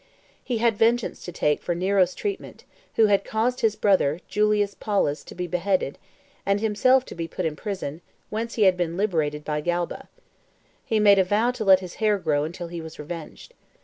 He had vengeance to take for Nero's treatment, who had caused his brother, Julius Paulus, to be beheaded, and himself to be put in prison, whence he had been liberated by Galba. He made a vow to let his hair grow until he was revenged.